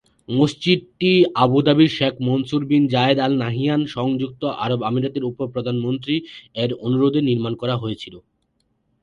মসজিদটি আবু দাবির Sheikh Mansour bin Zayed Al Nahyan, সংযুক্ত আরব আমিরাতের উপ প্রধানমন্ত্রী, এর অনুরোধে নির্মাণ করা হয়েছিল।